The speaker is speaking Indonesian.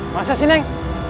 masa sih neng